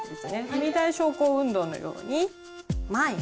踏み台昇降運動のように前へ。